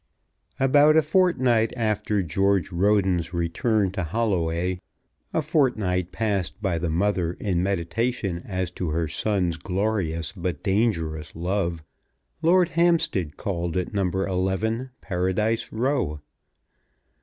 About a fortnight after George Roden's return to Holloway, a fortnight passed by the mother in meditation as to her son's glorious but dangerous love, Lord Hampstead called at No. 11, Paradise Row.